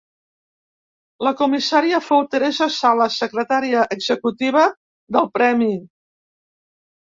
La comissària fou Teresa Sala, secretària executiva del Premi.